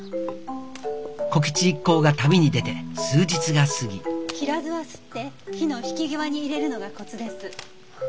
小吉一行が旅に出て数日が過ぎきらずはすって火の引き際に入れるのがコツです。